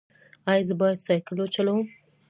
ایا زه باید سایکل وچلوم؟